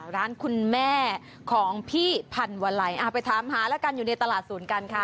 ร้านคุณแม่ของพี่พันวลัยไปถามหาแล้วกันอยู่ในตลาดศูนย์กันค่ะ